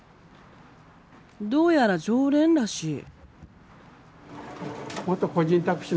どうやら常連らしい。